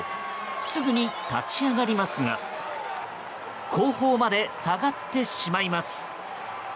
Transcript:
すぐに立ち上がりますが後方まで下がってしまいます。